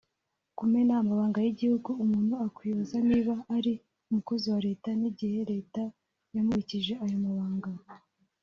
Kumena amabanga y’igihugu (umuntu yakwibaza niba ari umukozi wa Leta n’igihe Leta yamubikije ayo mabanga